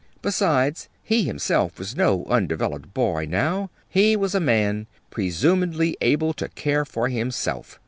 Besides, he himself was no undeveloped boy now. He was a man, presumedly able to take care of himself.